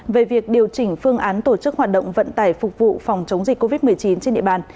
về việc điều chỉnh phương án tổ chức hoạt động vận tải phục vụ phòng chống dịch covid một mươi chín trên địa bàn